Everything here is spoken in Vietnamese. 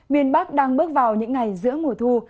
miền bắc đang bước vào những ngày giữa mùa thu